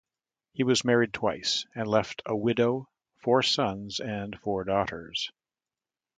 He was married twice and left a widow, four sons and four daughters.